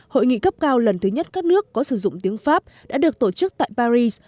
hội nghị cấp cao lần thứ nhất các nước có sử dụng tiếng pháp đã được tổ chức tại paris